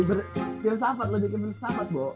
bersahabat lu bikin bersahabat bo